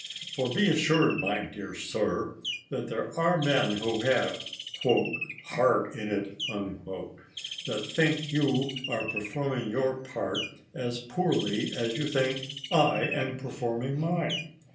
For be assured, my dear sir, there are men who have " heart in it " that think you are performing your part as poorly as you think I am performing mine.